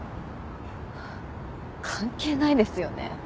関係ないですよね。